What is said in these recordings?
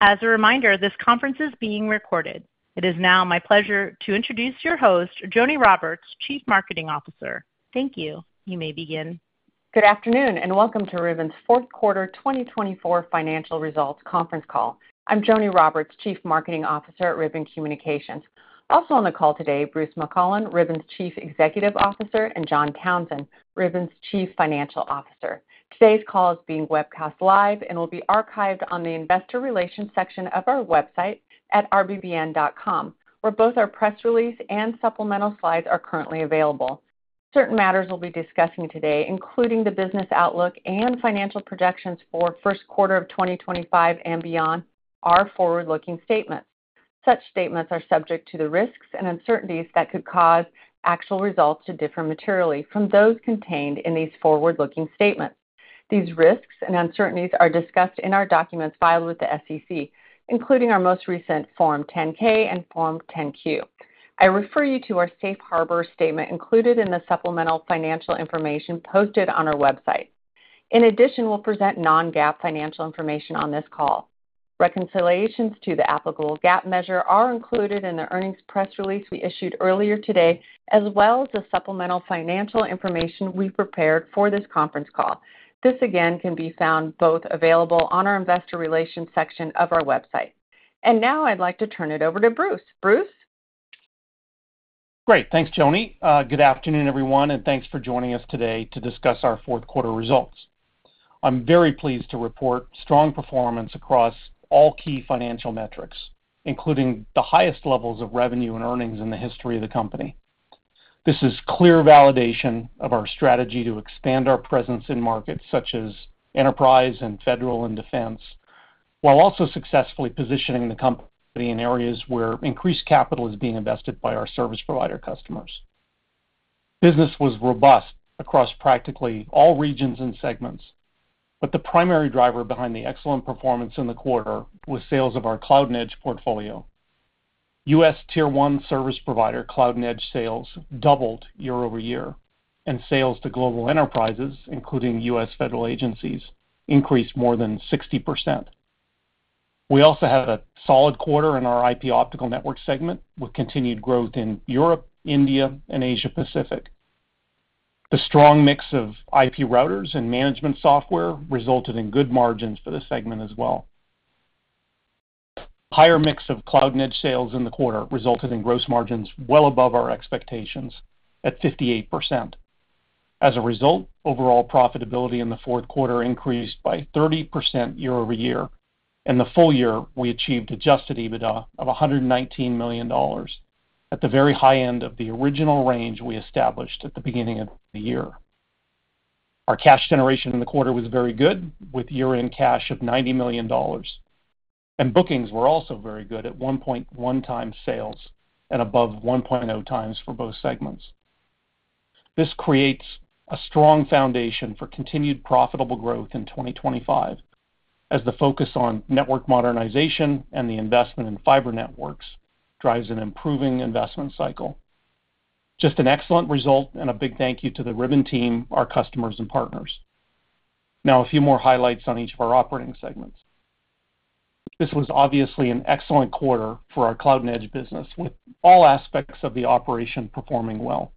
As a reminder, this conference is being recorded. It is now my pleasure to introduce your host, Joni Roberts, Chief Marketing Officer. Thank you. You may begin. Good afternoon and welcome to Ribbon's fourth quarter 2024 financial results conference call. I'm Joni Roberts, Chief Marketing Officer at Ribbon Communications. Also on the call today, Bruce McClelland, Ribbon's Chief Executive Officer, and John Townsend, Ribbon's Chief Financial Officer. Today's call is being webcast live and will be archived on the Investor Relations section of our website at rbbn.com, where both our press release and supplemental slides are currently available. Certain matters we'll be discussing today, including the business outlook and financial projections for first quarter of 2025 and beyond, are forward-looking statements. Such statements are subject to the risks and uncertainties that could cause actual results to differ materially from those contained in these forward-looking statements. These risks and uncertainties are discussed in our documents filed with the SEC, including our most recent Form 10-K and Form 10-Q. I refer you to our Safe Harbor statement included in the supplemental financial information posted on our website. In addition, we'll present non-GAAP financial information on this call. Reconciliations to the applicable GAAP measure are included in the earnings press release we issued earlier today, as well as the supplemental financial information we prepared for this conference call. This again can be found both available on our Investor Relations section of our website. And now I'd like to turn it over to Bruce. Bruce? Great. Thanks, Joni. Good afternoon, everyone, and thanks for joining us today to discuss our fourth quarter results. I'm very pleased to report strong performance across all key financial metrics, including the highest levels of revenue and earnings in the history of the company. This is clear validation of our strategy to expand our presence in markets such as enterprise and federal and defense, while also successfully positioning the company in areas where increased capital is being invested by our service provider customers. Business was robust across practically all regions and segments, but the primary driver behind the excellent performance in the quarter was sales of our Cloud & Edge portfolio. U.S. Tier 1 service provider Cloud & Edge sales doubled year over year, and sales to global enterprises, including U.S. federal agencies, increased more than 60%. We also had a solid quarter in our IP Optical Networks segment with continued growth in Europe, India, and Asia-Pacific. The strong mix of IP routers and management software resulted in good margins for the segment as well. A higher mix of Cloud & Edge sales in the quarter resulted in gross margins well above our expectations at 58%. As a result, overall profitability in the fourth quarter increased by 30% year over year, and the full year we achieved Adjusted EBITDA of $119 million at the very high end of the original range we established at the beginning of the year. Our cash generation in the quarter was very good, with year-end cash of $90 million, and bookings were also very good at 1.1 times sales and above 1.0 times for both segments. This creates a strong foundation for continued profitable growth in 2025, as the focus on network modernization and the investment in fiber networks drives an improving investment cycle. Just an excellent result, and a big thank you to the Ribbon team, our customers, and partners. Now, a few more highlights on each of our operating segments. This was obviously an excellent quarter for our Cloud & Edge business, with all aspects of the operation performing well.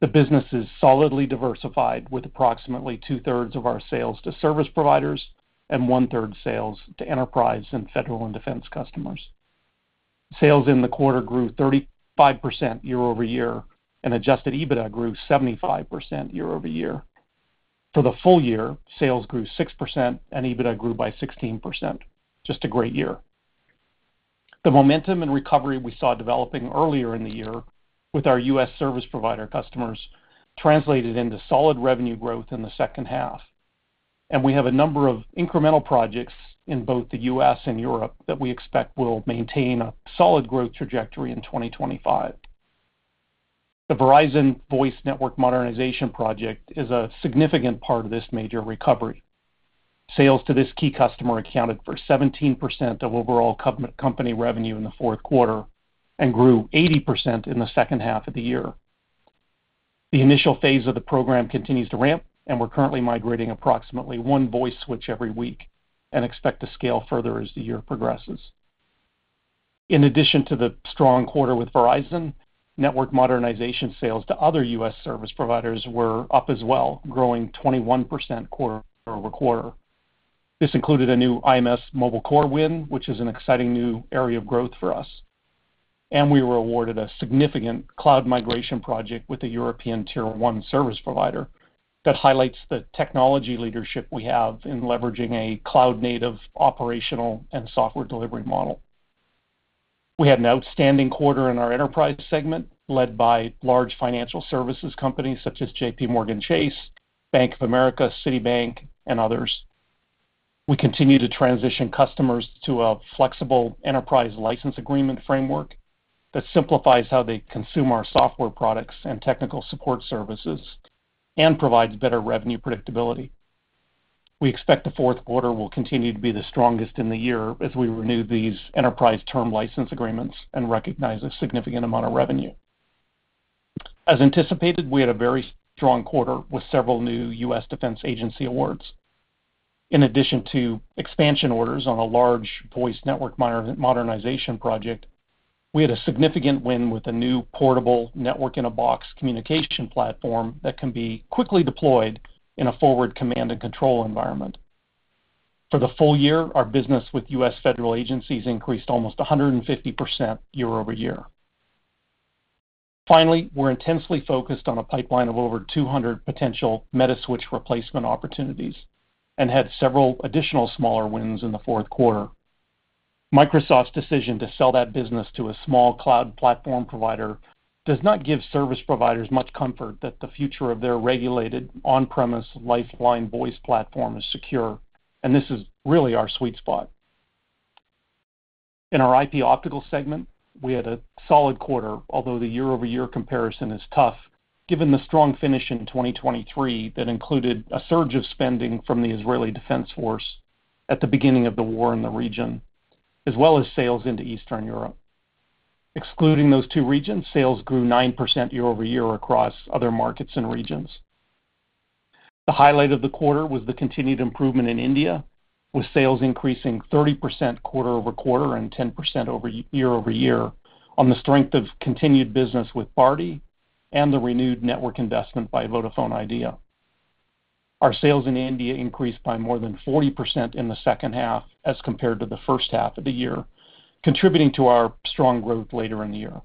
The business is solidly diversified, with approximately two-thirds of our sales to service providers and one-third sales to enterprise and federal and defense customers. Sales in the quarter grew 35% year over year, and adjusted EBITDA grew 75% year over year. For the full year, sales grew 6%, and EBITDA grew by 16%. Just a great year. The momentum and recovery we saw developing earlier in the year with our U.S. Service provider customers translated into solid revenue growth in the second half, and we have a number of incremental projects in both the U.S. and Europe that we expect will maintain a solid growth trajectory in 2025. The Verizon Voice Network Modernization Project is a significant part of this major recovery. Sales to this key customer accounted for 17% of overall company revenue in the fourth quarter and grew 80% in the second half of the year. The initial phase of the program continues to ramp, and we're currently migrating approximately one voice switch every week and expect to scale further as the year progresses. In addition to the strong quarter with Verizon, network modernization sales to other U.S. service providers were up as well, growing 21% quarter over quarter. This included a new IMS Mobile Core win, which is an exciting new area of growth for us, and we were awarded a significant cloud migration project with a European Tier 1 service provider that highlights the technology leadership we have in leveraging a cloud-native operational and software delivery model. We had an outstanding quarter in our enterprise segment, led by large financial services companies such as JPMorgan Chase, Bank of America, Citibank, and others. We continue to transition customers to a flexible enterprise license agreement framework that simplifies how they consume our software products and technical support services and provides better revenue predictability. We expect the fourth quarter will continue to be the strongest in the year as we renew these enterprise term license agreements and recognize a significant amount of revenue. As anticipated, we had a very strong quarter with several new U.S. defense agency awards. In addition to expansion orders on a large voice network modernization project, we had a significant win with a new portable network-in-a-box communication platform that can be quickly deployed in a forward command and control environment. For the full year, our business with U.S. federal agencies increased almost 150% year over year. Finally, we're intensely focused on a pipeline of over 200 potential Metaswitch replacement opportunities and had several additional smaller wins in the fourth quarter. Microsoft's decision to sell that business to a small cloud platform provider does not give service providers much comfort that the future of their regulated on-premise lifeline voice platform is secure, and this is really our sweet spot. In our IP optical segment, we had a solid quarter, although the year-over-year comparison is tough, given the strong finish in 2023 that included a surge of spending from the Israel Defense Forces at the beginning of the war in the region, as well as sales into Eastern Europe. Excluding those two regions, sales grew 9% year over year across other markets and regions. The highlight of the quarter was the continued improvement in India, with sales increasing 30% quarter over quarter and 10% year over year on the strength of continued business with Bharti and the renewed network investment by Vodafone Idea. Our sales in India increased by more than 40% in the second half as compared to the first half of the year, contributing to our strong growth later in the year.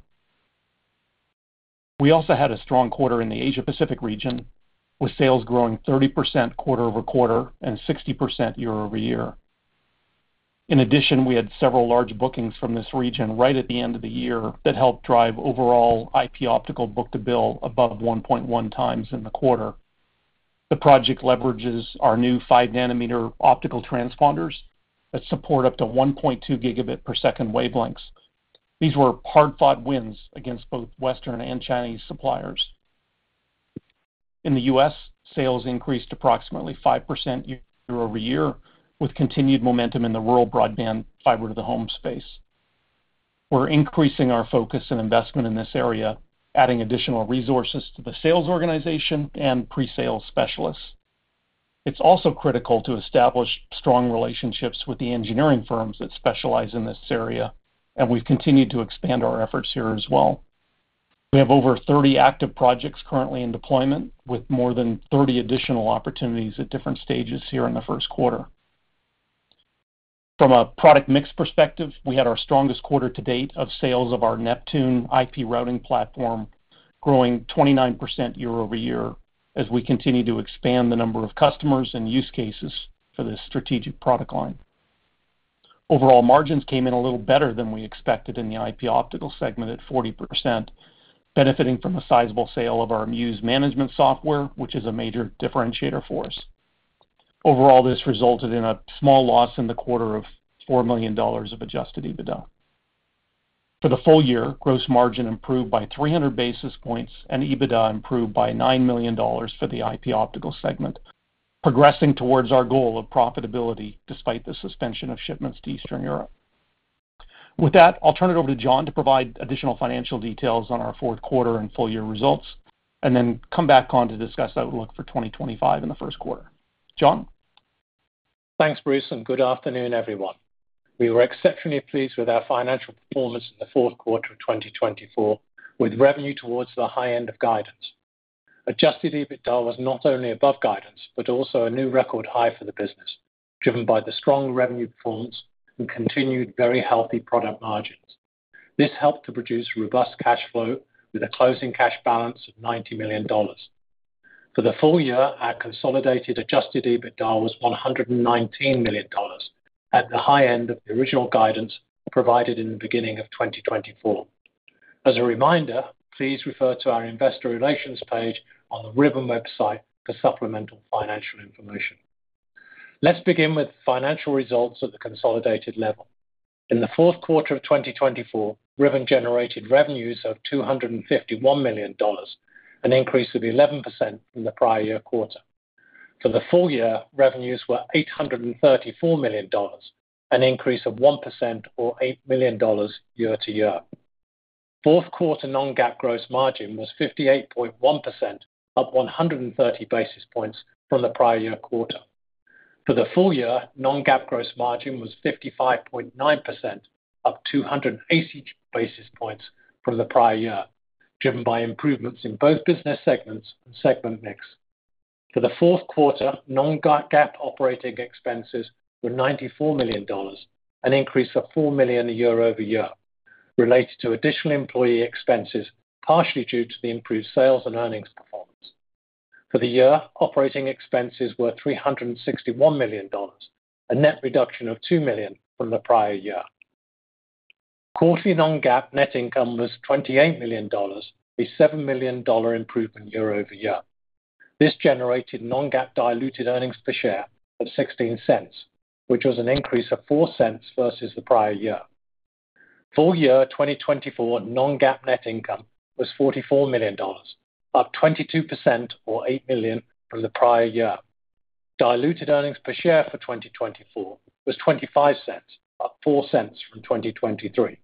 We also had a strong quarter in the Asia-Pacific region, with sales growing 30% quarter over quarter and 60% year over year. In addition, we had several large bookings from this region right at the end of the year that helped drive overall IP optical book-to-bill above 1.1 times in the quarter. The project leverages our new 5-nanometer optical transponders that support up to 1.2 Gb per second wavelengths. These were hard-fought wins against both Western and Chinese suppliers. In the U.S., sales increased approximately 5% year over year, with continued momentum in the rural broadband fiber-to-the-home space. We're increasing our focus and investment in this area, adding additional resources to the sales organization and pre-sales specialists. It's also critical to establish strong relationships with the engineering firms that specialize in this area, and we've continued to expand our efforts here as well. We have over 30 active projects currently in deployment, with more than 30 additional opportunities at different stages here in the first quarter. From a product mix perspective, we had our strongest quarter to date of sales of our Neptune IP routing platform, growing 29% year over year as we continue to expand the number of customers and use cases for this strategic product line. Overall margins came in a little better than we expected in the IP optical segment at 40%, benefiting from a sizable sale of our MUSE management software, which is a major differentiator for us. Overall, this resulted in a small loss in the quarter of $4 million of adjusted EBITDA. For the full year, gross margin improved by 300 basis points and EBITDA improved by $9 million for the IP optical segment, progressing towards our goal of profitability despite the suspension of shipments to Eastern Europe. With that, I'll turn it over to John to provide additional financial details on our fourth quarter and full year results, and then come back on to discuss outlook for 2025 in the first quarter. John? Thanks, Bruce, and good afternoon, everyone. We were exceptionally pleased with our financial performance in the fourth quarter of 2024, with revenue toward the high end of guidance. Adjusted EBITDA was not only above guidance but also a new record high for the business, driven by the strong revenue performance and continued very healthy product margins. This helped to produce robust cash flow with a closing cash balance of $90 million. For the full year, our consolidated adjusted EBITDA was $119 million at the high end of the original guidance provided in the beginning of 2024. As a reminder, please refer to our Investor Relations page on the Ribbon website for supplemental financial information. Let's begin with financial results at the consolidated level. In the fourth quarter of 2024, Ribbon generated revenues of $251 million, an increase of 11% from the prior year quarter. For the full year, revenues were $834 million, an increase of 1% or $8 million year to year. Fourth quarter non-GAAP gross margin was 58.1%, up 130 basis points from the prior year quarter. For the full year, non-GAAP gross margin was 55.9%, up 280 basis points from the prior year, driven by improvements in both business segments and segment mix. For the fourth quarter, non-GAAP operating expenses were $94 million, an increase of $4 million year over year, related to additional employee expenses partially due to the improved sales and earnings performance. For the year, operating expenses were $361 million, a net reduction of $2 million from the prior year. Quarterly non-GAAP net income was $28 million, a $7 million improvement year over year. This generated non-GAAP diluted earnings per share of $0.16, which was an increase of $0.04 versus the prior year. Full year 2024 non-GAAP net income was $44 million, up 22% or $8 million from the prior year. Diluted earnings per share for 2024 was $0.25, up $0.04 from 2023.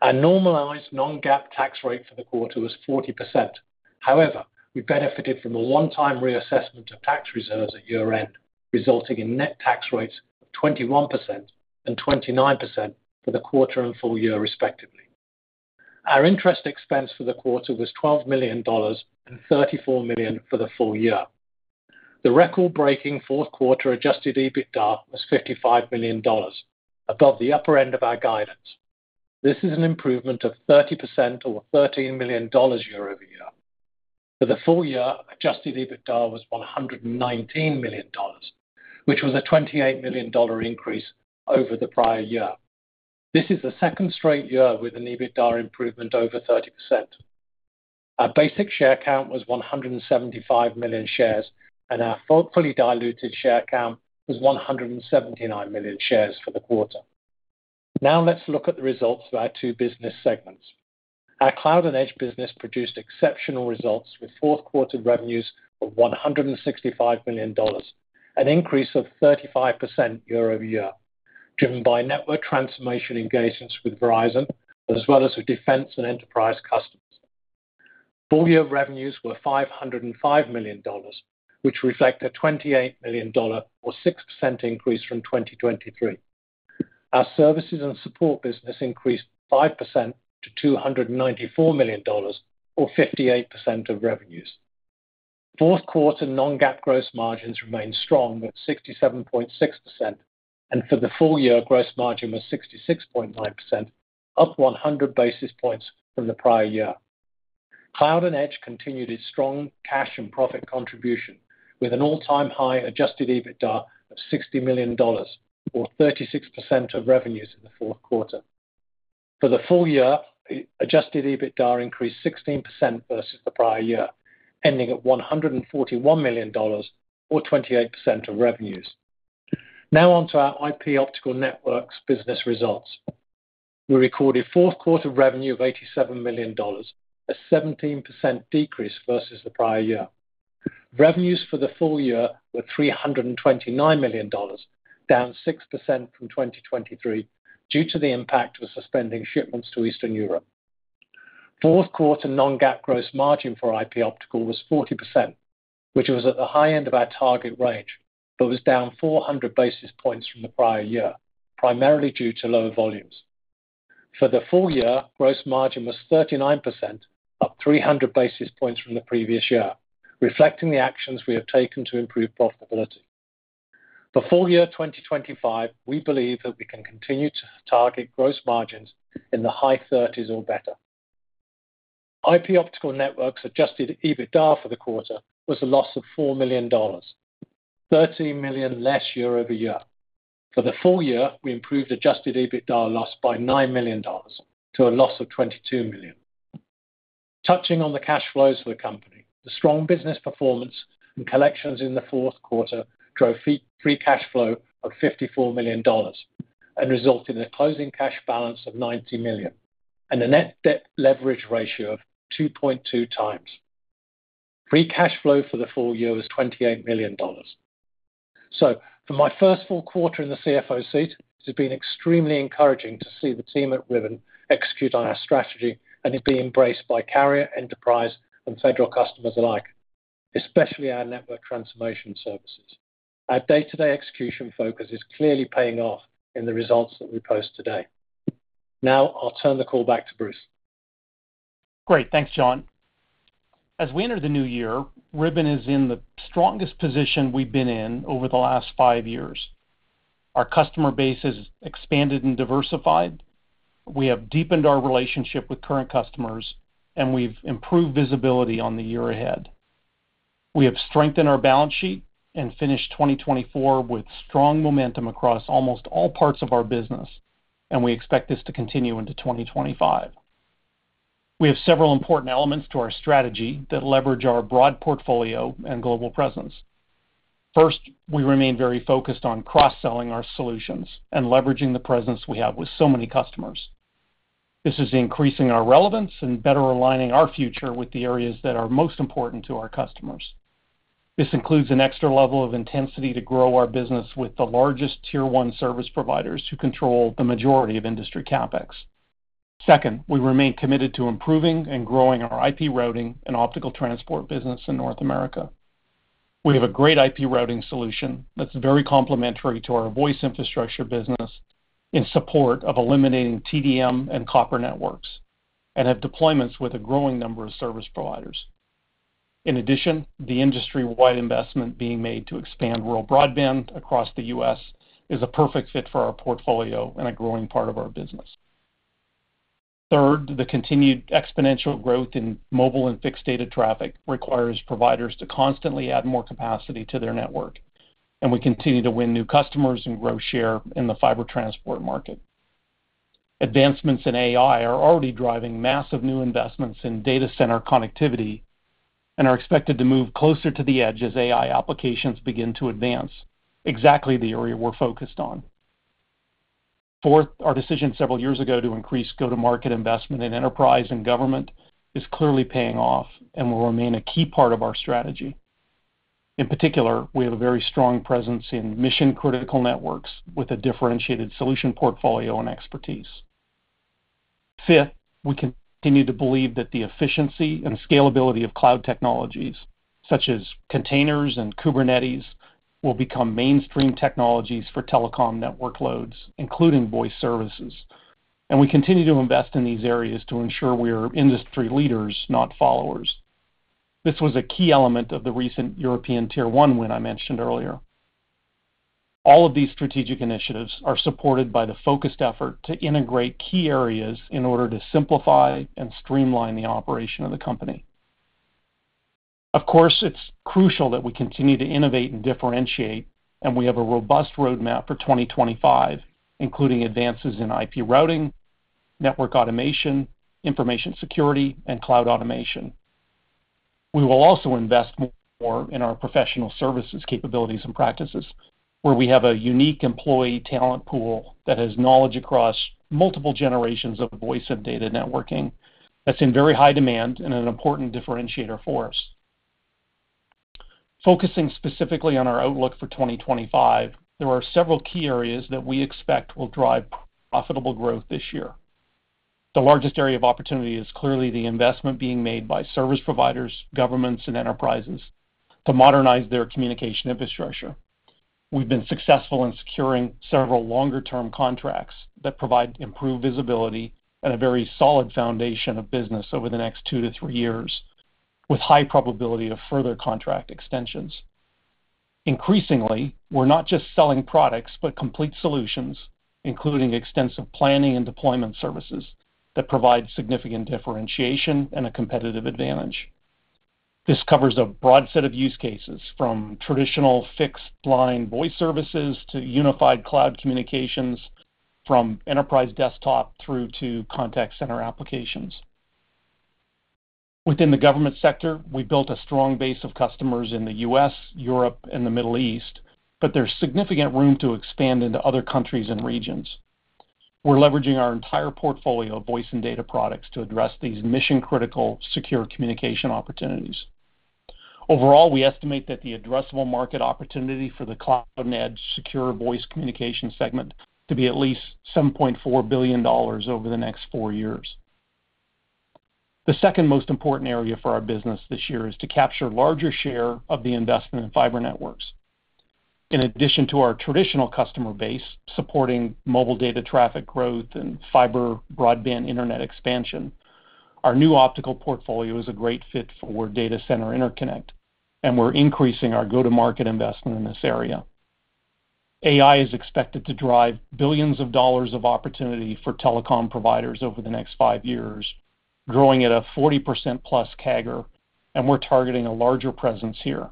Our normalized non-GAAP tax rate for the quarter was 40%. However, we benefited from a one-time reassessment of tax reserves at year-end, resulting in net tax rates of 21% and 29% for the quarter and full year, respectively. Our interest expense for the quarter was $12 million and $34 million for the full year. The record-breaking fourth quarter adjusted EBITDA was $55 million, above the upper end of our guidance. This is an improvement of 30% or $13 million year over year. For the full year, adjusted EBITDA was $119 million, which was a $28 million increase over the prior year. This is the second straight year with an EBITDA improvement over 30%. Our basic share count was 175 million shares, and our fully diluted share count was 179 million shares for the quarter. Now, let's look at the results for our two business segments. Our Cloud & Edge business produced exceptional results with fourth quarter revenues of $165 million, an increase of 35% year over year, driven by network transformation engagements with Verizon, as well as with defense and enterprise customers. Full year revenues were $505 million, which reflect a $28 million or 6% increase from 2023. Our services and support business increased 5% to $294 million or 58% of revenues. Fourth quarter non-GAAP gross margins remained strong at 67.6%, and for the full year, gross margin was 66.9%, up 100 basis points from the prior year. Cloud and Edge continued its strong cash and profit contribution, with an all-time high adjusted EBITDA of $60 million or 36% of revenues in the fourth quarter. For the full year, adjusted EBITDA increased 16% versus the prior year, ending at $141 million or 28% of revenues. Now on to our IP Optical Networks business results. We recorded fourth quarter revenue of $87 million, a 17% decrease versus the prior year. Revenues for the full year were $329 million, down 6% from 2023 due to the impact of suspending shipments to Eastern Europe. Fourth quarter non-GAAP gross margin for IP Optical was 40%, which was at the high end of our target range, but was down 400 bps from the prior year, primarily due to lower volumes. For the full year, gross margin was 39%, up 300 bps from the previous year, reflecting the actions we have taken to improve profitability. For full year 2025, we believe that we can continue to target gross margins in the high 30s or better. IP Optical Networks Adjusted EBITDA for the quarter was a loss of $4 million, $13 million less year over year. For the full year, we improved Adjusted EBITDA loss by $9 million to a loss of $22 million. Touching on the cash flows for the company, the strong business performance and collections in the fourth quarter drove free cash flow of $54 million and resulted in a closing cash balance of $90 million and a net debt leverage ratio of 2.2 times. Free cash flow for the full year was $28 million. For my first full quarter in the CFO seat, it has been extremely encouraging to see the team at Ribbon execute on our strategy and be embraced by carrier, enterprise, and federal customers alike, especially our network transformation services. Our day-to-day execution focus is clearly paying off in the results that we post today. Now, I'll turn the call back to Bruce. Great. Thanks, John. As we enter the new year, Ribbon is in the strongest position we've been in over the last five years. Our customer base has expanded and diversified. We have deepened our relationship with current customers, and we've improved visibility on the year ahead. We have strengthened our balance sheet and finished 2024 with strong momentum across almost all parts of our business, and we expect this to continue into 2025. We have several important elements to our strategy that leverage our broad portfolio and global presence. First, we remain very focused on cross-selling our solutions and leveraging the presence we have with so many customers. This is increasing our relevance and better aligning our future with the areas that are most important to our customers. This includes an extra level of intensity to grow our business with the largest Tier 1 service providers who control the majority of industry CapEx. Second, we remain committed to improving and growing our IP routing and optical transport business in North America. We have a great IP routing solution that's very complementary to our voice infrastructure business in support of eliminating TDM and copper networks and have deployments with a growing number of service providers. In addition, the industry-wide investment being made to expand rural broadband across the U.S. is a perfect fit for our portfolio and a growing part of our business. Third, the continued exponential growth in mobile and fixed data traffic requires providers to constantly add more capacity to their network, and we continue to win new customers and grow share in the fiber transport market. Advancements in AI are already driving massive new investments in data center connectivity and are expected to move closer to the edge as AI applications begin to advance, exactly the area we're focused on. Fourth, our decision several years ago to increase go-to-market investment in enterprise and government is clearly paying off and will remain a key part of our strategy. In particular, we have a very strong presence in mission-critical networks with a differentiated solution portfolio and expertise. Fifth, we continue to believe that the efficiency and scalability of cloud technologies, such as containers and Kubernetes, will become mainstream technologies for telecom network loads, including voice services, and we continue to invest in these areas to ensure we are industry leaders, not followers. This was a key element of the recent European tier-one win I mentioned earlier. All of these strategic initiatives are supported by the focused effort to integrate key areas in order to simplify and streamline the operation of the company. Of course, it's crucial that we continue to innovate and differentiate, and we have a robust roadmap for 2025, including advances in IP routing, network automation, information security, and cloud automation. We will also invest more in our professional services capabilities and practices, where we have a unique employee talent pool that has knowledge across multiple generations of voice and data networking that's in very high demand and an important differentiator for us. Focusing specifically on our outlook for 2025, there are several key areas that we expect will drive profitable growth this year. The largest area of opportunity is clearly the investment being made by service providers, governments, and enterprises to modernize their communication infrastructure. We've been successful in securing several longer-term contracts that provide improved visibility and a very solid foundation of business over the next two to three years, with high probability of further contract extensions. Increasingly, we're not just selling products but complete solutions, including extensive planning and deployment services that provide significant differentiation and a competitive advantage. This covers a broad set of use cases, from traditional fixed line voice services to unified cloud communications, from enterprise desktop through to contact center applications. Within the government sector, we built a strong base of customers in the U.S., Europe, and the Middle East, but there's significant room to expand into other countries and regions. We're leveraging our entire portfolio of voice and data products to address these mission-critical secure communication opportunities. Overall, we estimate that the addressable market opportunity for the Cloud & Edge secure voice communication segment to be at least $7.4 billion over the next four years. The second most important area for our business this year is to capture a larger share of the investment in fiber networks. In addition to our traditional customer base supporting mobile data traffic growth and fiber broadband internet expansion, our new optical portfolio is a great fit for data center interconnect, and we're increasing our go-to-market investment in this area. AI is expected to drive billions of dollars of opportunity for telecom providers over the next five years, growing at a 40% plus CAGR, and we're targeting a larger presence here.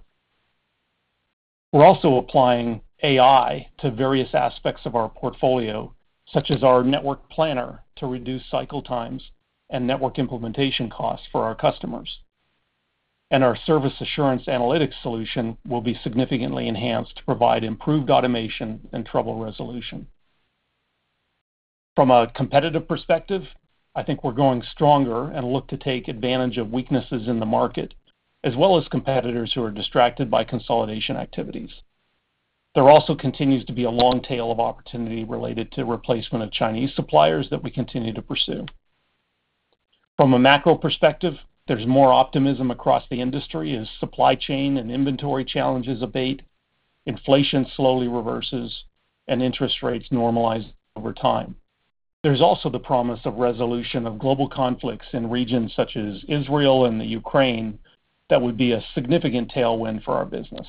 We're also applying AI to various aspects of our portfolio, such as our network planner to reduce cycle times and network implementation costs for our customers, and our service assurance analytics solution will be significantly enhanced to provide improved automation and trouble resolution. From a competitive perspective, I think we're going stronger and look to take advantage of weaknesses in the market, as well as competitors who are distracted by consolidation activities. There also continues to be a long tail of opportunity related to replacement of Chinese suppliers that we continue to pursue. From a macro perspective, there's more optimism across the industry as supply chain and inventory challenges abate, inflation slowly reverses, and interest rates normalize over time. There's also the promise of resolution of global conflicts in regions such as Israel and Ukraine that would be a significant tailwind for our business.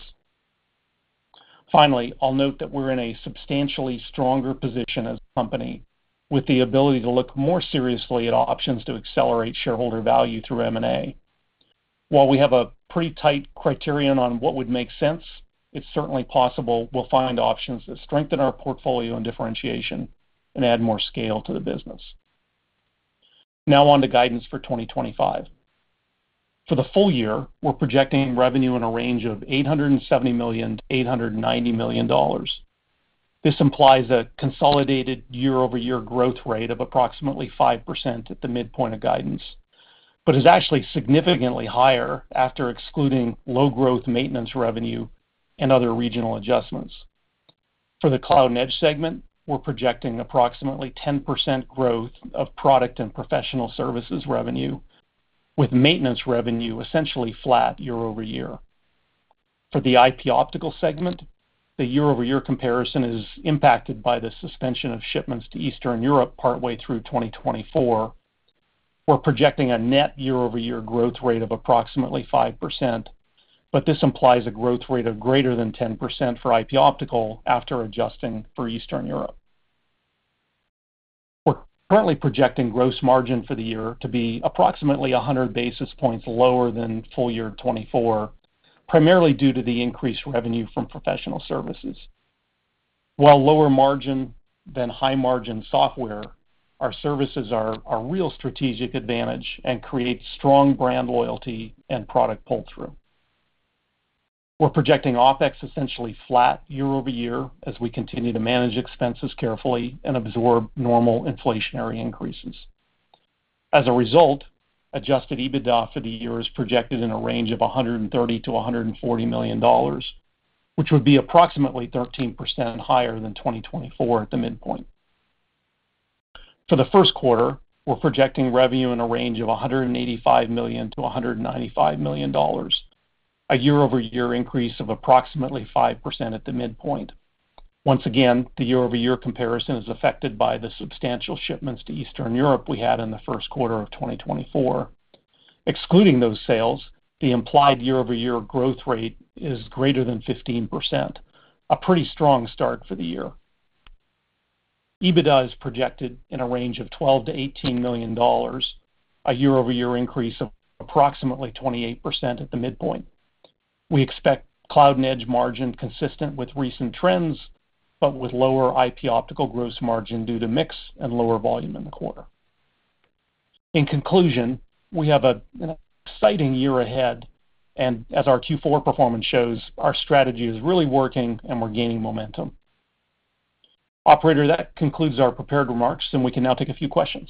Finally, I'll note that we're in a substantially stronger position as a company with the ability to look more seriously at options to accelerate shareholder value through M&A. While we have a pretty tight criterion on what would make sense, it's certainly possible we'll find options that strengthen our portfolio and differentiation and add more scale to the business. Now on to guidance for 2025. For the full year, we're projecting revenue in a range of $870 million-$890 million. This implies a consolidated year-over-year growth rate of approximately 5% at the midpoint of guidance, but is actually significantly higher after excluding low-growth maintenance revenue and other regional adjustments. For the Cloud & Edge segment, we're projecting approximately 10% growth of product and professional services revenue, with maintenance revenue essentially flat year-over-year. For the IP optical segment, the year-over-year comparison is impacted by the suspension of shipments to Eastern Europe partway through 2024. We're projecting a net year-over-year growth rate of approximately 5%, but this implies a growth rate of greater than 10% for IP optical after adjusting for Eastern Europe. We're currently projecting gross margin for the year to be approximately 100 basis points lower than full year 2024, primarily due to the increased revenue from professional services. While lower margin than high margin software, our services are a real strategic advantage and create strong brand loyalty and product pull-through. We're projecting OpEx essentially flat year-over-year as we continue to manage expenses carefully and absorb normal inflationary increases. As a result, adjusted EBITDA for the year is projected in a range of $130-$140 million, which would be approximately 13% higher than 2024 at the midpoint. For the first quarter, we're projecting revenue in a range of $185 million-$195 million, a year-over-year increase of approximately 5% at the midpoint. Once again, the year-over-year comparison is affected by the substantial shipments to Eastern Europe we had in the first quarter of 2024. Excluding those sales, the implied year-over-year growth rate is greater than 15%, a pretty strong start for the year. EBITDA is projected in a range of $12 million-$18 million, a year-over-year increase of approximately 28% at the midpoint. We expect Cloud & Edge margin consistent with recent trends, but with lower IP optical gross margin due to mix and lower volume in the quarter. In conclusion, we have an exciting year ahead, and as our Q4 performance shows, our strategy is really working and we're gaining momentum. Operator, that concludes our prepared remarks, and we can now take a few questions.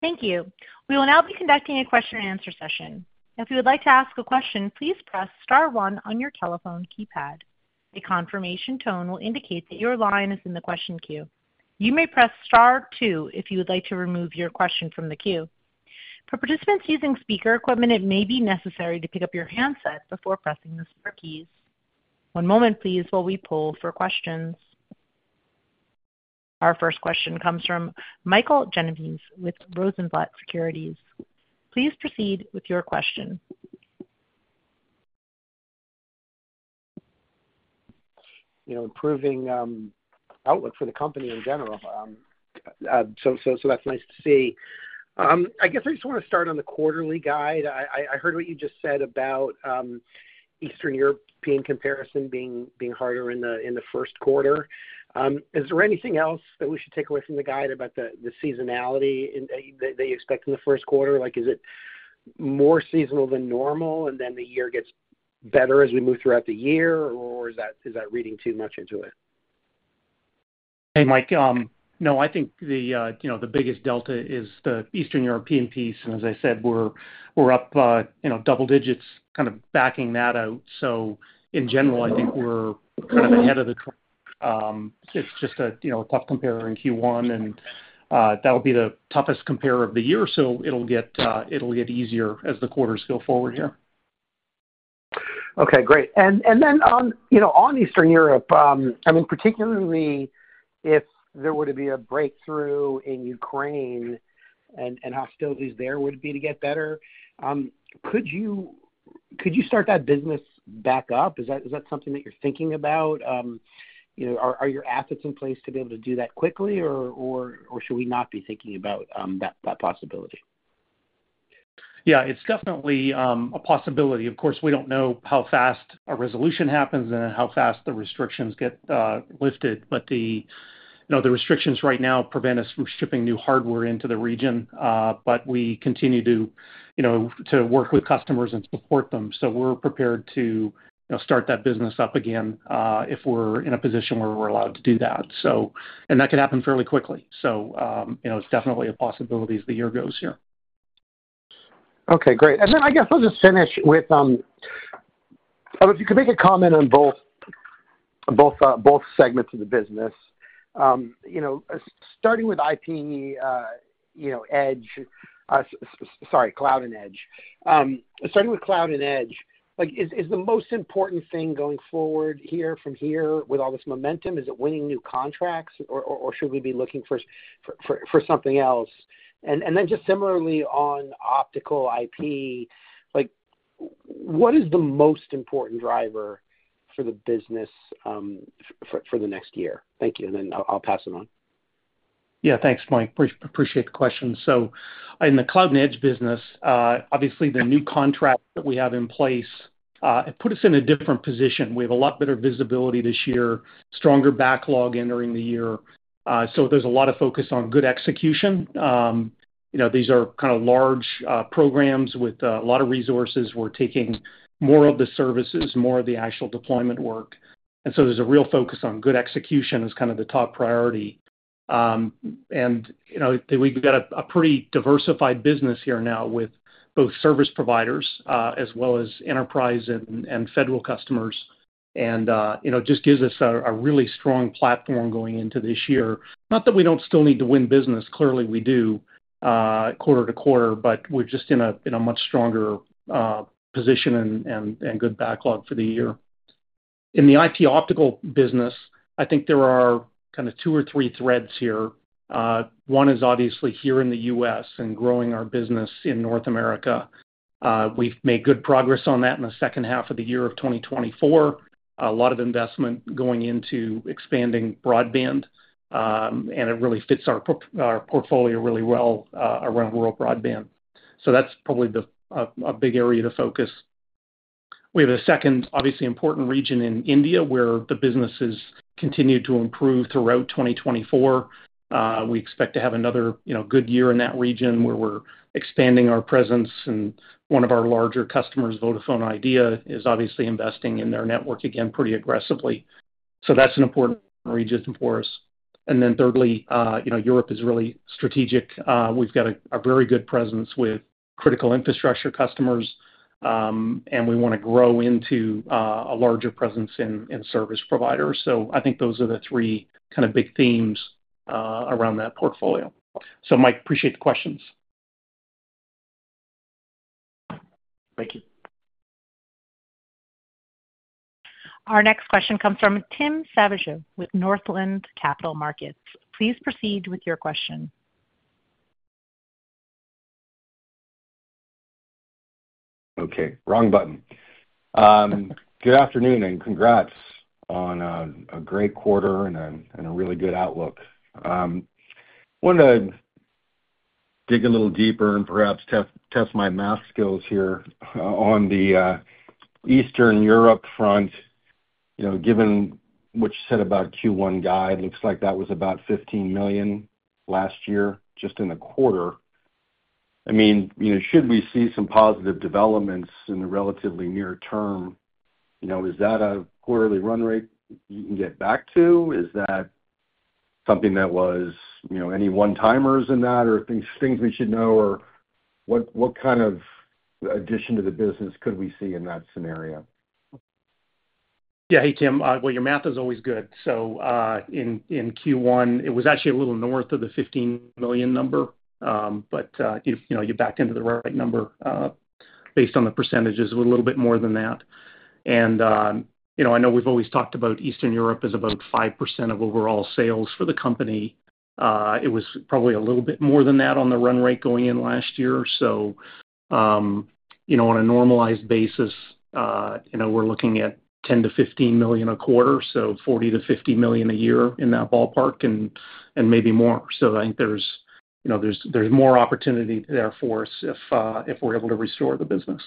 Thank you. We will now be conducting a question-and-answer session. If you would like to ask a question, please press star one on your telephone keypad. A confirmation tone will indicate that your line is in the question queue. You may press star two if you would like to remove your question from the queue. For participants using speaker equipment, it may be necessary to pick up your handset before pressing the star keys. One moment, please, while we pull for questions. Our first question comes from Michael Genovese with Rosenblatt Securities. Please proceed with your question. Improving outlook for the company in general. So that's nice to see. I guess I just want to start on the quarterly guide. I heard what you just said about Eastern European comparison being harder in the first quarter. Is there anything else that we should take away from the guide about the seasonality that you expect in the first quarter? Is it more seasonal than normal, and then the year gets better as we move throughout the year, or is that reading too much into it? Hey, Mike. No, I think the biggest delta is the Eastern European piece, and as I said, we're up double digits, kind of backing that out. So in general, I think we're kind of ahead of the trend. It's just a tough comparison in Q1, and that'll be the toughest comparison of the year, so it'll get easier as the quarters go forward here. Okay, great. And then on Eastern Europe, I mean, particularly if there were to be a breakthrough in Ukraine and hostilities there would be to get better, could you start that business back up? Is that something that you're thinking about? Are your assets in place to be able to do that quickly, or should we not be thinking about that possibility? Yeah, it's definitely a possibility. Of course, we don't know how fast a resolution happens and how fast the restrictions get lifted, but the restrictions right now prevent us from shipping new hardware into the region, but we continue to work with customers and support them. So we're prepared to start that business up again if we're in a position where we're allowed to do that. And that could happen fairly quickly. So it's definitely a possibility as the year goes on. Okay, great. And then I guess I'll just finish with, if you could make a comment on both segments of the business. Starting with IP edge, sorry, Cloud & Edge. Starting with Cloud & Edge, is the most important thing going forward from here with all this momentum? Is it winning new contracts, or should we be looking for something else? And then just similarly on optical IP, what is the most important driver for the business for the next year? Thank you, and then I'll pass it on. Yeah, thanks, Mike. Appreciate the question. So in the Cloud & Edge business, obviously the new contracts that we have in place, it puts us in a different position. We have a lot better visibility this year, stronger backlog entering the year. So there's a lot of focus on good execution. These are kind of large programs with a lot of resources. We're taking more of the services, more of the actual deployment work. And so there's a real focus on good execution as kind of the top priority. And we've got a pretty diversified business here now with both service providers as well as enterprise and federal customers, and it just gives us a really strong platform going into this year. Not that we don't still need to win business. Clearly, we do quarter to quarter, but we're just in a much stronger position and good backlog for the year. In the IP optical business, I think there are kind of two or three threads here. One is obviously here in the U.S. and growing our business in North America. We've made good progress on that in the second half of the year of 2024. A lot of investment going into expanding broadband, and it really fits our portfolio really well around world broadband. So that's probably a big area to focus. We have a second, obviously important region in India where the business has continued to improve throughout 2024. We expect to have another good year in that region where we're expanding our presence, and one of our larger customers, Vodafone Idea, is obviously investing in their network again pretty aggressively. So that's an important region for us, and then thirdly, Europe is really strategic. We've got a very good presence with critical infrastructure customers, and we want to grow into a larger presence in service providers. So I think those are the three kind of big themes around that portfolio. So, Mike, appreciate the questions. Thank you. Our next question comes from Tim Savageaux with Northland Capital Markets. Please proceed with your question. Okay, wrong button. Good afternoon and congrats on a great quarter and a really good outlook. I want to dig a little deeper and perhaps test my math skills here on the Eastern Europe front. Given what you said about Q1 guide, it looks like that was about $15 million last year, just in the quarter. I mean, should we see some positive developments in the relatively near term? Is that a quarterly run rate you can get back to? Is that something that was any one-timers in that, or things we should know, or what kind of addition to the business could we see in that scenario? Yeah, hey, Tim. Well, your math is always good. So in Q1, it was actually a little north of the $15 million number, but you backed into the right number based on the percentages with a little bit more than that. And I know we've always talked about Eastern Europe as about 5% of overall sales for the company. It was probably a little bit more than that on the run rate going in last year. So on a normalized basis, we're looking at $10-$15 million a quarter, so $40-$50 million a year in that ballpark, and maybe more. So I think there's more opportunity there for us if we're able to restore the business.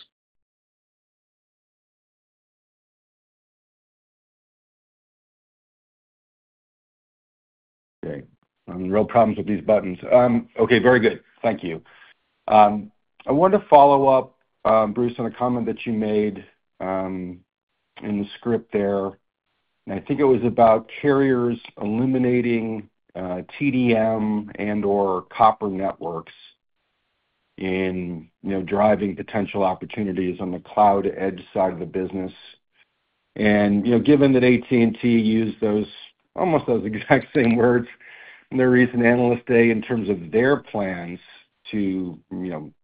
Okay. I'm in real problems with these buttons. Okay, very good. Thank you. I want to follow up, Bruce, on a comment that you made in the script there, and I think it was about carriers eliminating TDM and/or copper networks in driving potential opportunities on the Cloud & Edge side of the business, and given that AT&T used almost those exact same words in their recent analyst day in terms of their plans to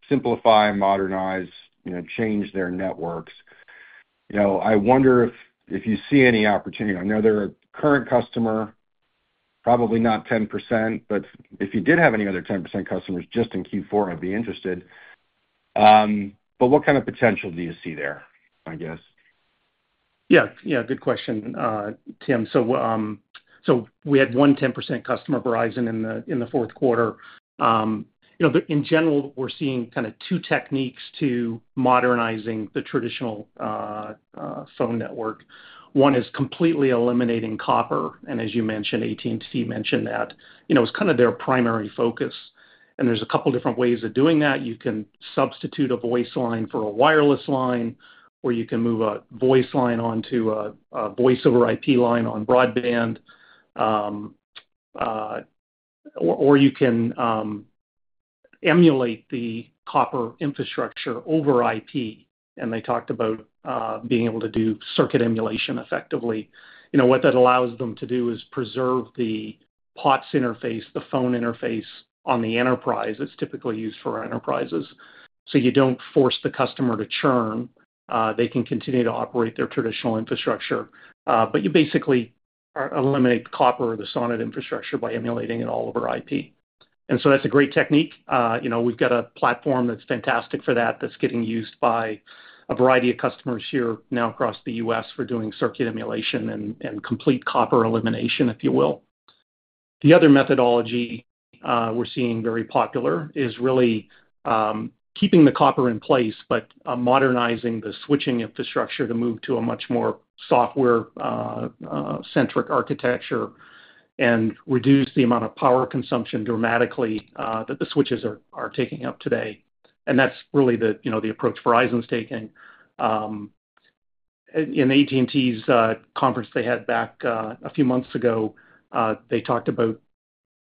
simplify, modernize, change their networks, I wonder if you see any opportunity. I know they're a current customer, probably not 10%, but if you did have any other 10% customers just in Q4, I'd be interested. But what kind of potential do you see there, I guess? Yeah, yeah, good question, Tim. So we had one 10% customer Verizon in the fourth quarter. In general, we're seeing kind of two techniques to modernizing the traditional phone network. One is completely eliminating copper, and as you mentioned, AT&T mentioned that. It was kind of their primary focus, and there's a couple of different ways of doing that. You can substitute a voice line for a wireless line, or you can move a voice line onto a voice over IP line on broadband, or you can emulate the copper infrastructure over IP, and they talked about being able to do circuit emulation effectively. What that allows them to do is preserve the POTS interface, the phone interface on the enterprise that's typically used for enterprises. So you don't force the customer to churn. They can continue to operate their traditional infrastructure. But you basically eliminate the copper or the SONET infrastructure by emulating it all over IP. And so that's a great technique. We've got a platform that's fantastic for that that's getting used by a variety of customers here now across the U.S. for doing circuit emulation and complete copper elimination, if you will. The other methodology we're seeing very popular is really keeping the copper in place, but modernizing the switching infrastructure to move to a much more software-centric architecture and reduce the amount of power consumption dramatically that the switches are taking up today. And that's really the approach Verizon's taking. In AT&T's conference they had back a few months ago, they talked about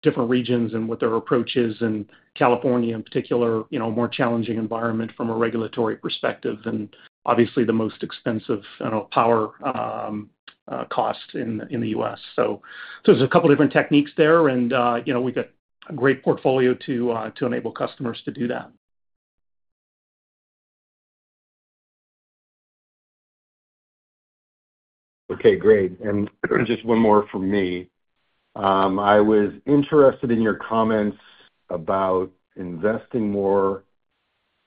different regions and what their approach is in California in particular, a more challenging environment from a regulatory perspective and obviously the most expensive power cost in the U.S. So there's a couple of different techniques there, and we've got a great portfolio to enable customers to do that. Okay, great. And just one more from me. I was interested in your comments about investing more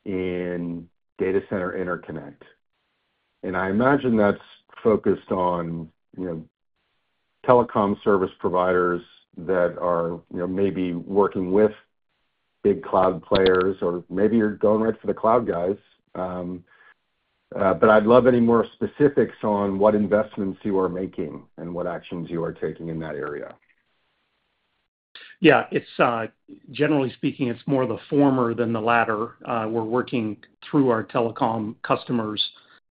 in data center interconnect. And I imagine that's focused on telecom service providers that are maybe working with big cloud players, or maybe you're going right for the cloud guys. But I'd love any more specifics on what investments you are making and what actions you are taking in that area. Yeah. Generally speaking, it's more the former than the latter. We're working through our telecom customers,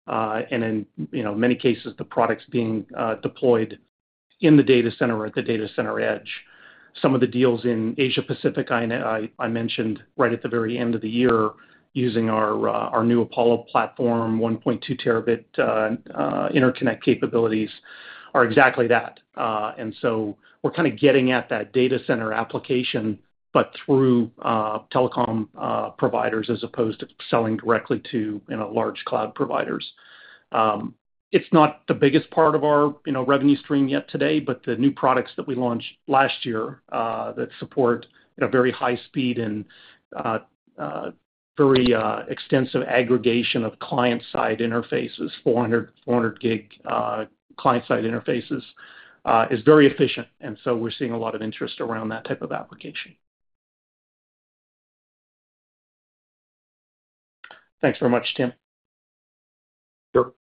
and in many cases, the products being deployed in the data center or at the data center edge. Some of the deals in Asia-Pacific I mentioned right at the very end of the year using our new Apollo platform, 1.2 terabit interconnect capabilities are exactly that. And so we're kind of getting at that data center application, but through telecom providers as opposed to selling directly to large cloud providers. It's not the biggest part of our revenue stream yet today, but the new products that we launched last year that support very high speed and very extensive aggregation of client-side interfaces, 400 gig client-side interfaces, is very efficient. And so we're seeing a lot of interest around that type of application. Thanks very much, Tim. Sure.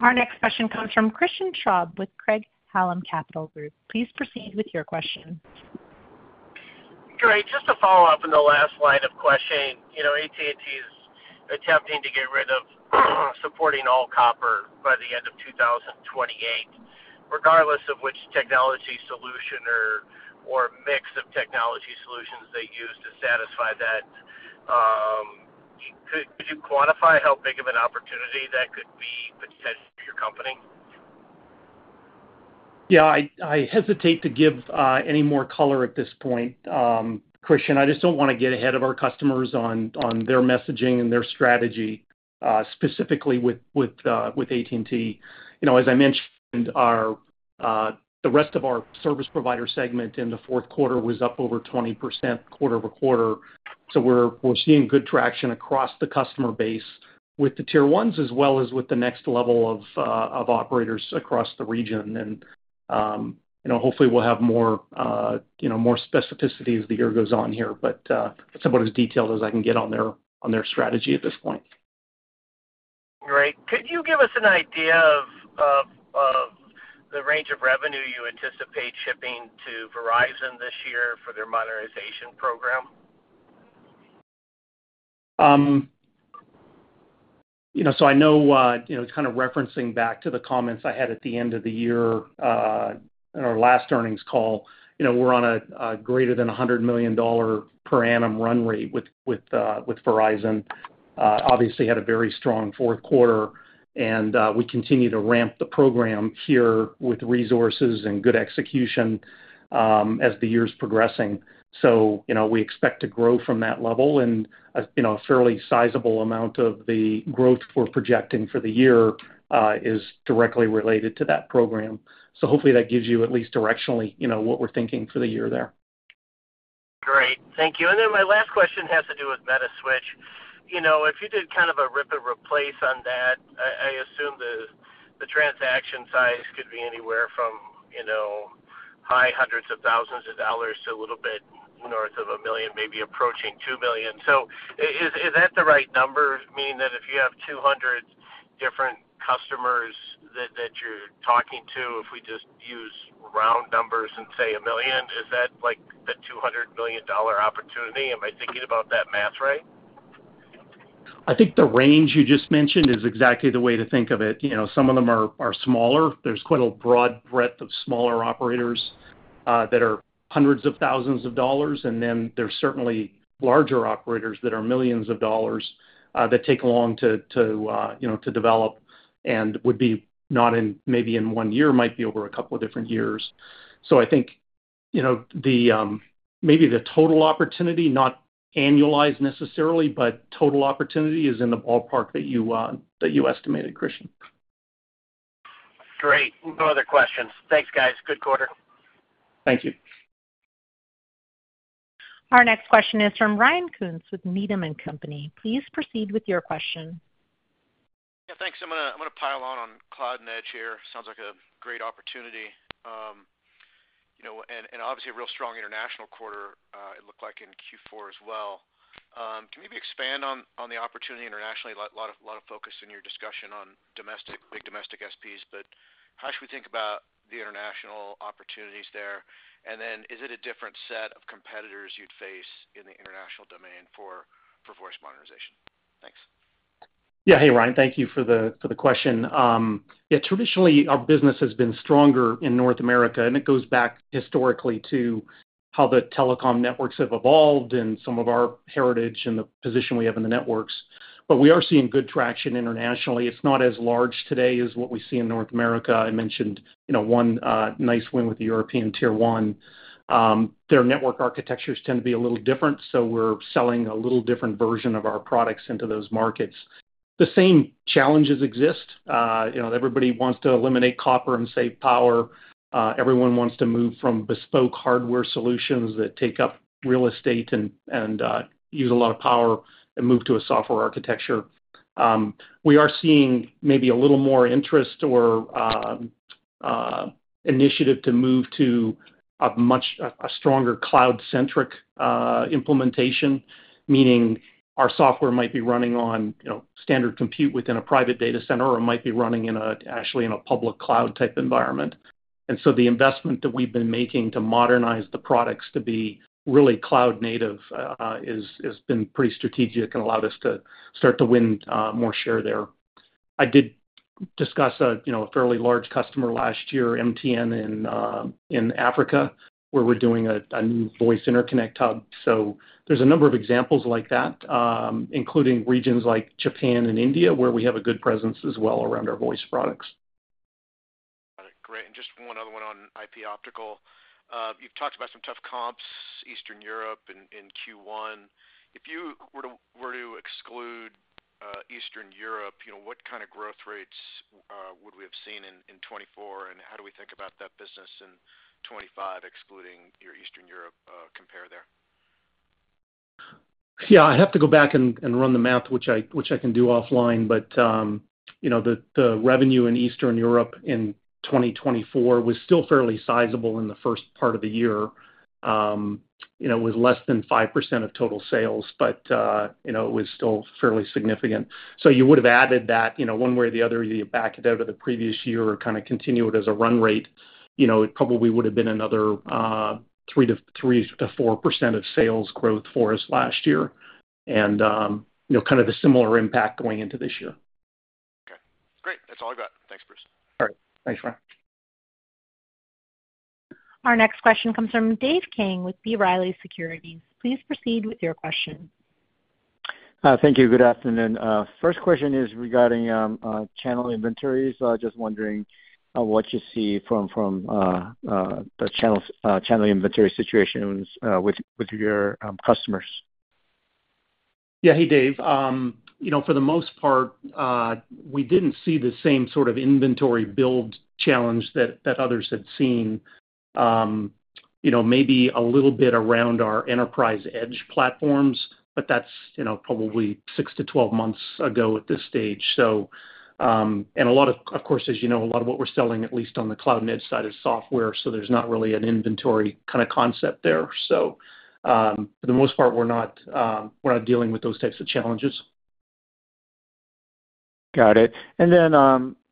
Our next question comes from Christian Schwab with Craig-Hallam Capital Group. Please proceed with your question. Great. Just to follow up on the last line of questioning, AT&T is attempting to get rid of supporting all copper by the end of 2028. Regardless of which technology solution or mix of technology solutions they use to satisfy that, could you quantify how big of an opportunity that could be potentially for your company? Yeah, I hesitate to give any more color at this point, Christian. I just don't want to get ahead of our customers on their messaging and their strategy, specifically with AT&T. As I mentioned, the rest of our service provider segment in the fourth quarter was up over 20% quarter over quarter. So we're seeing good traction across the customer base with the tier ones as well as with the next level of operators across the region. And hopefully, we'll have more specificity as the year goes on here, but that's about as detailed as I can get on their strategy at this point. Great. Could you give us an idea of the range of revenue you anticipate shipping to Verizon this year for their modernization program? So I know it's kind of referencing back to the comments I had at the end of the year in our last earnings call. We're on a greater than $100 million per annum run rate with Verizon. Obviously, had a very strong fourth quarter, and we continue to ramp the program here with resources and good execution as the year's progressing. So we expect to grow from that level, and a fairly sizable amount of the growth we're projecting for the year is directly related to that program. So hopefully, that gives you at least directionally what we're thinking for the year there. Great. Thank you. And then my last question has to do with Metaswitch. If you did kind of a rip and replace on that, I assume the transaction size could be anywhere from high hundreds of thousands of dollars to a little bit north of a million, maybe approaching 2 million. So is that the right number? Meaning that if you have 200 different customers that you're talking to, if we just use round numbers and say a million, is that like the $200 million opportunity? Am I thinking about that math right? I think the range you just mentioned is exactly the way to think of it. Some of them are smaller. There's quite a broad breadth of smaller operators that are hundreds of thousands of dollars. Then there's certainly larger operators that are millions of dollars that take long to develop and would be not in maybe in one year, might be over a couple of different years. So I think maybe the total opportunity, not annualized necessarily, but total opportunity is in the ballpark that you estimated, Christian. Great. No other questions. Thanks, guys. Good quarter. Thank you. Our next question is from Ryan Koontz with Needham & Company. Please proceed with your question. Yeah, thanks. I'm going to pile on on Cloud & Edge here. Sounds like a great opportunity, and obviously a real strong international quarter, it looked like in Q4 as well. Can we maybe expand on the opportunity internationally? A lot of focus in your discussion on big domestic SPs, but how should we think about the international opportunities there? Then is it a different set of competitors you'd face in the international domain for voice modernization? Thanks. Yeah. Hey, Ryan. Thank you for the question. Yeah, traditionally, our business has been stronger in North America, and it goes back historically to how the telecom networks have evolved and some of our heritage and the position we have in the networks. But we are seeing good traction internationally. It's not as large today as what we see in North America. I mentioned one nice win with the European Tier 1. Their network architectures tend to be a little different, so we're selling a little different version of our products into those markets. The same challenges exist. Everybody wants to eliminate copper and save power. Everyone wants to move from bespoke hardware solutions that take up real estate and use a lot of power and move to a software architecture. We are seeing maybe a little more interest or initiative to move to a much stronger cloud-centric implementation, meaning our software might be running on standard compute within a private data center or might be running actually in a public cloud-type environment, and so the investment that we've been making to modernize the products to be really cloud-native has been pretty strategic and allowed us to start to win more share there. I did discuss a fairly large customer last year, MTN in Africa, where we're doing a new voice interconnect hub, so there's a number of examples like that, including regions like Japan and India where we have a good presence as well around our voice products. Got it. Great. And just one other one on IP Optical. You've talked about some tough comps, Eastern Europe and Q1. If you were to exclude Eastern Europe, what kind of growth rates would we have seen in 2024? And how do we think about that business in 2025, excluding your Eastern Europe compare there? Yeah. I have to go back and run the math, which I can do offline, but the revenue in Eastern Europe in 2024 was still fairly sizable in the first part of the year. It was less than 5% of total sales, but it was still fairly significant. So you would have added that one way or the other, you back it out of the previous year or kind of continue it as a run rate. It probably would have been another 3%-4% of sales growth for us last year and kind of a similar impact going into this year. Okay. Great. That's all I got. Thanks, Bruce. All right. Thanks, Ryan. Our next question comes from Dave King with B. Riley Securities. Please proceed with your question. Thank you. Good afternoon. First question is regarding channel inventories. Just wondering what you see from the channel inventory situations with your customers. Yeah. Hey, Dave. For the most part, we didn't see the same sort of inventory build challenge that others had seen, maybe a little bit around our enterprise edge platforms, but that's probably six to 12 months ago at this stage. And a lot of, of course, as you know, a lot of what we're selling, at least on the Cloud & Edge side, is software. So there's not really an inventory kind of concept there. So for the most part, we're not dealing with those types of challenges. Got it, and then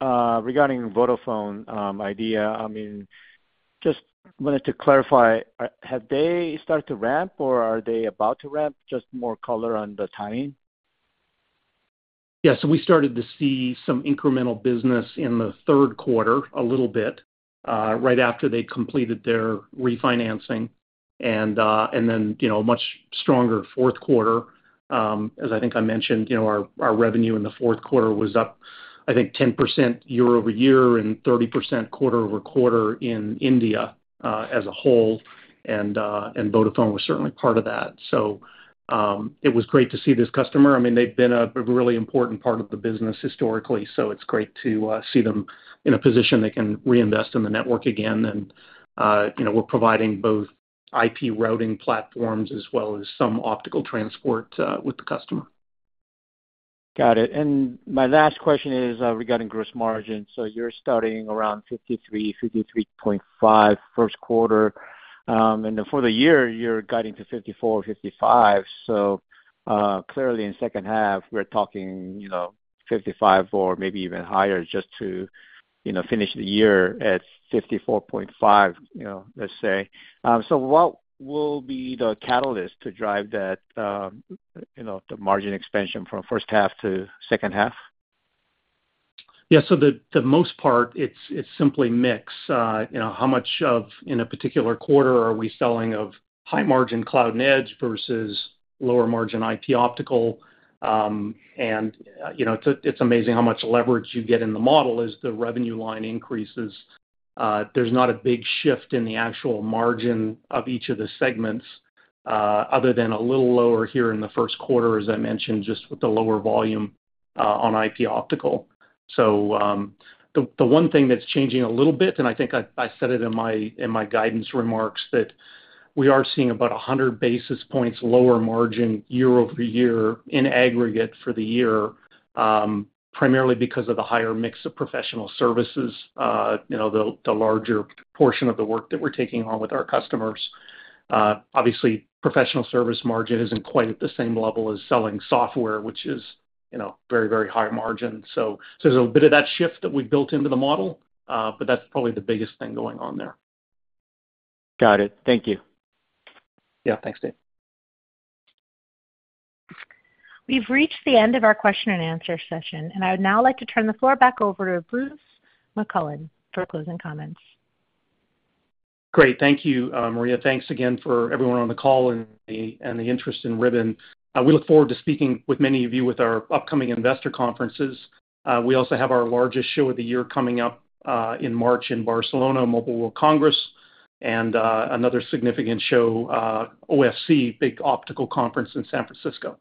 regarding Vodafone Idea, I mean, just wanted to clarify, have they started to ramp or are they about to ramp? Just more color on the timing. Yeah. So we started to see some incremental business in the third quarter a little bit right after they completed their refinancing. And then a much stronger fourth quarter. As I think I mentioned, our revenue in the fourth quarter was up, I think, 10% year over year and 30% quarter over quarter in India as a whole. And Vodafone was certainly part of that. So it was great to see this customer. I mean, they've been a really important part of the business historically. So it's great to see them in a position they can reinvest in the network again. And we're providing both IP routing platforms as well as some optical transport with the customer. Got it. And my last question is regarding gross margin. So you're starting around 53%-53.5% first quarter. And then for the year, you're guiding to 54%-55%. So clearly, in second half, we're talking 55% or maybe even higher just to finish the year at 54.5%, let's say. So what will be the catalyst to drive the margin expansion from first half to second half? Yeah. So for the most part, it's simply mix. How much of in a particular quarter are we selling of high margin Cloud & Edge versus lower margin IP Optical? And it's amazing how much leverage you get in the model as the revenue line increases. There's not a big shift in the actual margin of each of the segments other than a little lower here in the first quarter, as I mentioned, just with the lower volume on IP Optical. So the one thing that's changing a little bit, and I think I said it in my guidance remarks, that we are seeing about 100 basis points lower margin year over year in aggregate for the year, primarily because of the higher mix of professional services, the larger portion of the work that we're taking on with our customers. Obviously, professional service margin isn't quite at the same level as selling software, which is very, very high margin. So there's a bit of that shift that we've built into the model, but that's probably the biggest thing going on there. Got it. Thank you. Yeah. Thanks, Dave. We've reached the end of our question and answer session, and I would now like to turn the floor back over to Bruce McClelland for closing comments. Great. Thank you, Maria. Thanks again for everyone on the call and the interest in Ribbon. We look forward to speaking with many of you with our upcoming investor conferences. We also have our largest show of the year coming up in March in Barcelona, Mobile World Congress, and another significant show, OFC, big optical conference in San Francisco.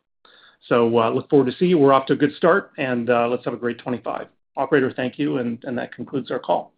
So look forward to seeing you. We're off to a good start, and let's have a great 2025. Operator, thank you, and that concludes our call.